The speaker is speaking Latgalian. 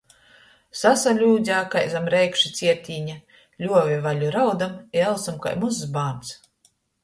Sasaļūdzeja kai zam reikšu ciertīņa, ļuove vaļu raudom un elsom kai mozs bārns.